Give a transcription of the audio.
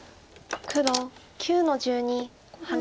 黒９の十二ハネ。